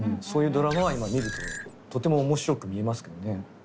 そういうドラマは今見るととても面白く見えますけどね。